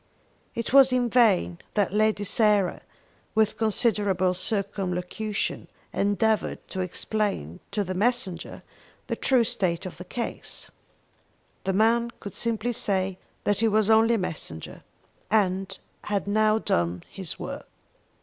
It was in vain that Lady Sarah, with considerable circumlocution, endeavoured to explain to the messenger the true state of the case. The man could simply say that he was only a messenger, and had now done his work.